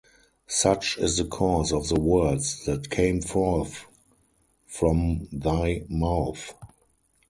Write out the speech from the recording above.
Such is the course of the words that came forth from thy mouth.